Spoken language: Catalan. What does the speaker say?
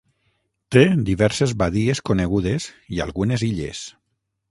Té diverses badies conegudes i algunes illes.